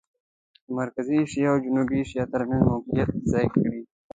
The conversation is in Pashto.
د مرکزي اسیا او جنوبي اسیا ترمېنځ موقعیت ځان کړي.